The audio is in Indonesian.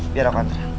biar aku antar